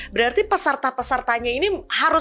berarti peserta pesertanya ini harus